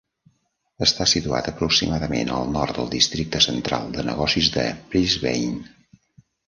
Està situat aproximadament al nord del districte central de negocis de Brisbane.